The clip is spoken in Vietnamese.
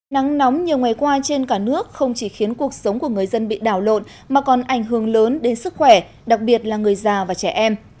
nắng nóng nhiều ngày qua trên cả nước không chỉ khiến cuộc sống của người dân bị đảo lộn mà còn ảnh hưởng lớn đến sức khỏe đặc biệt là người già và trẻ em